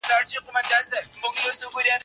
هغې خپل پراته کتابونه یو یو ور ټول کړل.